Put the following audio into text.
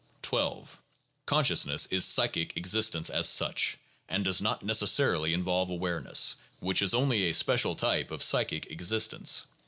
12. Consciousness is psychic existence as such, and does not neces sarily involve awareness, which is only a special type of psychic existence.